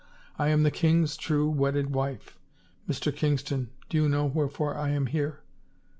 I am the king's true wedded wife ... Mr. Kingston, do you know wherefore I am here